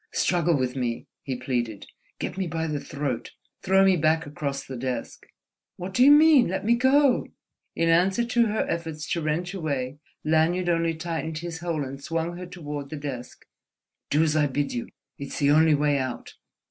"Struggle with me!" he pleaded—"get me by the throat, throw me back across the desk—" "What do you mean? Let me go!" In answer to her efforts to wrench away, Lanyard only tightened his hold and swung her toward the desk. "Do as I bid you! It's the only way out.